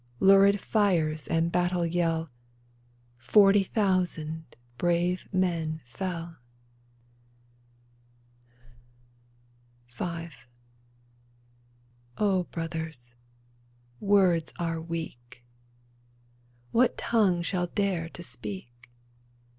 Lurid fires and battle yell, Forty thousand brave men fell ? O brothers, words are weak ! What tongue shall dare to speak